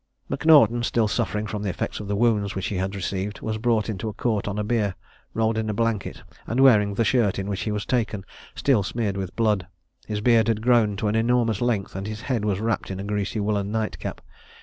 M'Naughton, still suffering from the effects of the wounds which he had received, was brought into court on a bier, rolled in a blanket, and wearing the shirt in which he was taken, still smeared with blood. His beard had grown to an enormous length, and his head was wrapped in a greasy woollen night cap.